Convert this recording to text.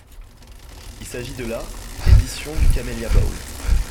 Il s'agit de la édition du Camellia Bowl.